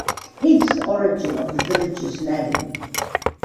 Hence, the origin of the village's name.